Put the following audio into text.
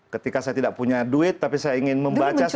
ketika saya tidak punya duit tapi saya ingin membaca